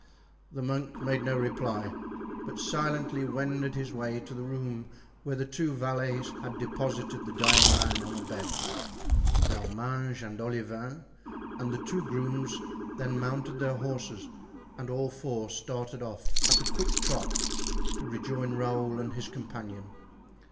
The monk made no reply, but silently wended his way to the room where the two valets had deposited the dying man on a bed. D'Arminges and Olivain and the two grooms then mounted their horses, and all four started off at a quick trot to rejoin Raoul and his companion.